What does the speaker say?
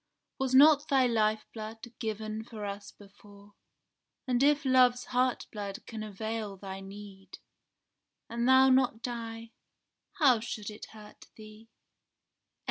Was not thy lifeblood given for us before? And if love's heartblood can avail thy need, And thou not die, how should it hurt indeed?